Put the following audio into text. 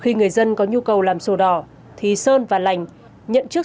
khi người dân có nhu cầu làm sổ đỏ thì sơn và lành nhận trước